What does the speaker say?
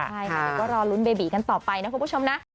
ใช่แล้วก็รอรุ้นเบบีกันต่อไปนะคุณผู้ชมนะ